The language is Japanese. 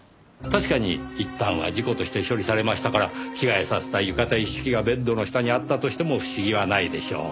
確かにいったんは事故として処理されましたから着替えさせた浴衣一式がベッドの下にあったとしても不思議はないでしょう。